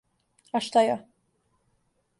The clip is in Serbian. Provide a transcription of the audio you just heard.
А шта ја?